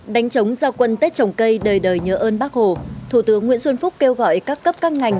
đánh chống giao quân tết trồng cây đời đời nhớ ơn bác hồ thủ tướng nguyễn xuân phúc kêu gọi các cấp các ngành